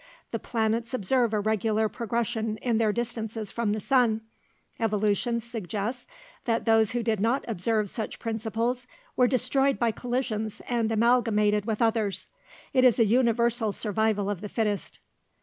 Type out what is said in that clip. The planets observe a regular progression in their distances from the sun. Evolution suggests that those that did not observe such principles were destroyed by collisions and amalgamated with others. It is a universal survival of the fittest."